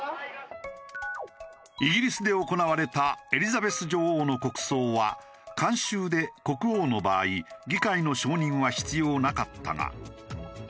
イギリスで行われたエリザベス女王の国葬は慣習で国王の場合議会の承認は必要なかったが。